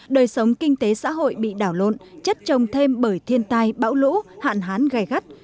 đời sống kinh tế xã hội bị đảo lộn chất trồng thêm bởi thiên tai bão lũ hạn hán gai gắt